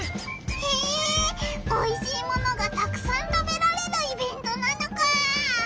へえおいしいものがたくさん食べられるイベントなのか！